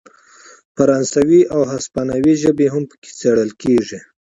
فرانسوي او هسپانوي ژبې هم پکې څیړل کیږي.